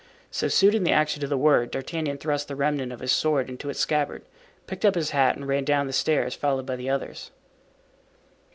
So, suiting the action to the word, D'Artagnan thrust the remnant of his sword into its scabbard, picked up his hat and ran down the stairs, followed by the others.